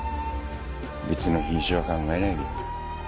別の品種は考えないで。